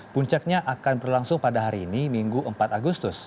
puncaknya akan berlangsung pada hari ini minggu empat agustus